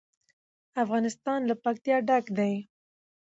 افغانستان له پکتیا ډک دی.